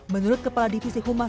menurut kepala divisi humantra